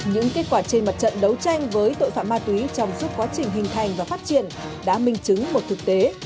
những kết quả trên mặt trận đấu tranh với tội phạm ma túy trong suốt quá trình hình thành và phát triển đã minh chứng một thực tế